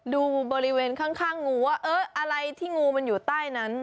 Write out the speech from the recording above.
ดูบริเวณข้างงูว่าเอออะไรที่งูมันอยู่ใต้นั้น